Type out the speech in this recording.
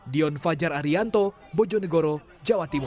dion fajar arianto bojonegoro jawa timur